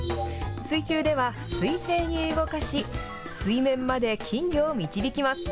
水中では水平に動かし、水面まで金魚を導きます。